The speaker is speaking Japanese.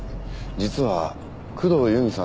実は工藤由美さん